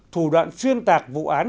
thủ đoạn xuyên tạc vụ án